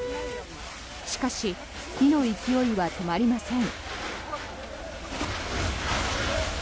しかし火の勢いは止まりません。